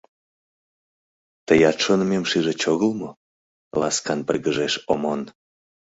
Тыят шонымем шижыч огыл мо? — ласкан пыльгыжеш Омон.